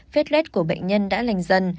vết lết của bệnh nhân đã lành dần